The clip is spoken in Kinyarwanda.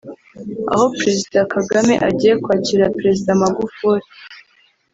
aho Perezida Kagame agiye kwakirira Perezida Magufuri